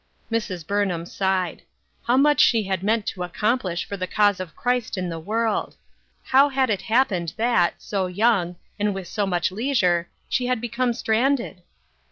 Mrs. Burnham sighed. How much she had meant to accomplish for the cause of Christ in the world ! How had it happened that, so young, and with so much leisure, she had become stranded